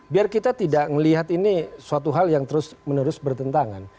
biar kita tidak melihat ini suatu hal yang terus menerus bertentangan